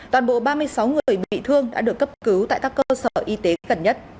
toàn bộ ba mươi sáu người bị thương đã được cấp cứu tại các cơ sở y tế gần nhất